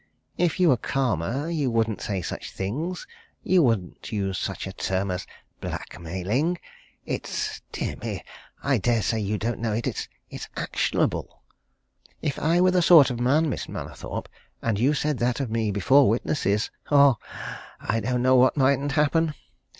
If you were calmer, you wouldn't say such things you wouldn't use such a term as blackmailing. It's dear me, I dare say you don't know it! it's actionable. If I were that sort of man, Miss Mallathorpe, and you said that of me before witnesses ah! I don't know what mightn't happen.